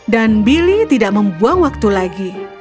billy tidak membuang waktu lagi